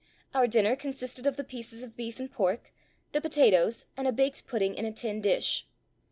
Our dinner consisted of the pieces of beef and pork, the potatoes, and a baked pudding in a tin dish.